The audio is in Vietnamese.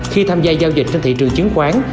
khi tham gia giao dịch trên thị trường chứng khoán